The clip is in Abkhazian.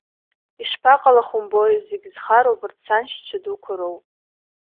Ишԥаҟалах умбои, зегь зхароу абарҭ саншьцәа дуқәа роуп.